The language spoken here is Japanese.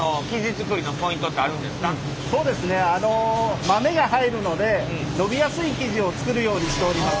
そうですねあの豆が入るので伸びやすい生地を作るようにしております。